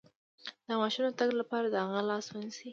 د ماشوم د تګ لپاره د هغه لاس ونیسئ